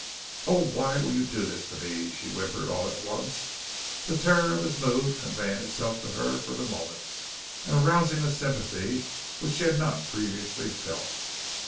"Oh, why will you do this to me?" she whimpered all at once. The terror of his mood conveying itself to her for the moment, and arousing a sympathy which she had not previously felt.